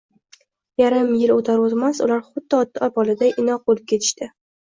Yarim yil oʻtar-oʻtmas ular xuddi ona-boladay inoq boʻlib ketishdi